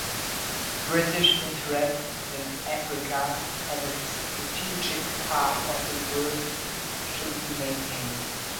British interests in Africa as a strategic part of the world should be maintained.